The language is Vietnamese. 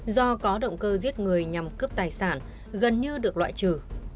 do có động cơ giết người nhằm cướp tài sản gần như được loại trừ